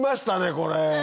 これ。